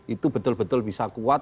itu betul betul bisa kuat